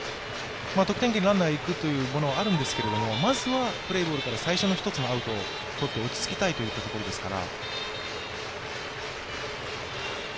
得点圏にランナーが行くということもあるんですけど、まずはプレーボールから最初のアウトを取って落ち着きたいところですから。